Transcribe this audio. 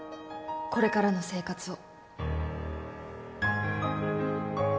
これからの生活を。